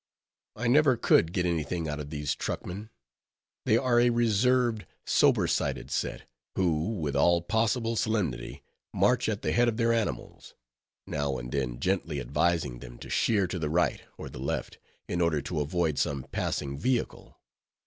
I never could get any thing out of these truckmen. They are a reserved, sober sided set, who, with all possible solemnity, march at the head of their animals; now and then gently advising them to sheer to the right or the left, in order to avoid some passing vehicle.